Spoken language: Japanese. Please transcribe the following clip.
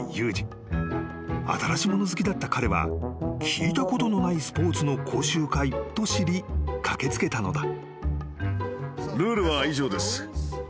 ［新しもの好きだった彼は聞いたことのないスポーツの講習会と知り駆け付けたのだ］